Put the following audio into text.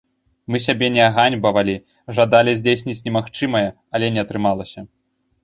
Мы сябе не аганьбавалі, жадалі здзейсніць немагчымае, але не атрымалася.